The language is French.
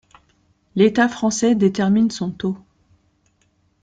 L'État français détermine son taux.